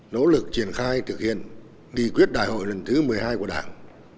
nỗ lực triển khai thực hiện nghị quyết đại hội lần thứ một mươi hai của đảng